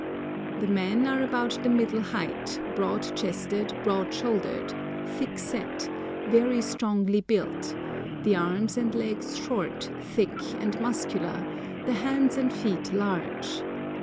The men are about the middle height, broad chested, broad shouldered, "thick set," very strongly built, the arms and legs short, thick, and muscular, the hands and feet large.